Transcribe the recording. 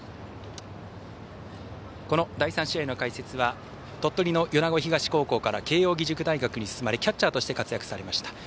この第３試合の解説は鳥取の米子東高校から慶応義塾大学に進まれキャッチャーとして活躍されました